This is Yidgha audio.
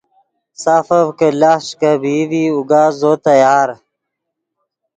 سافف کہ لاست ݰیکبئی ڤی اوگا زو تیار